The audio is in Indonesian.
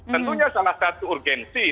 tentunya salah satu urgensi